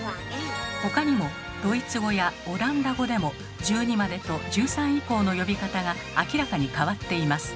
他にもドイツ語やオランダ語でも１２までと１３以降の呼び方が明らかに変わっています。